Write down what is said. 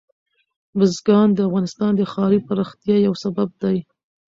بزګان د افغانستان د ښاري پراختیا یو سبب دی.